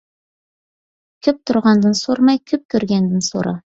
كۆپ تۇرغاندىن سورىماي، كۆپ كۆرگەندىن سورا.